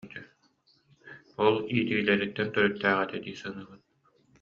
Ол иитиилэриттэн төрүттээх этэ дии саныыбын